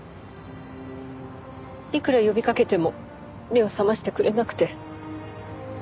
いくら呼びかけても目を覚ましてくれなくて。